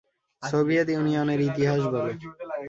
Soviet ইউনিয়নের ইতিহাস বলো।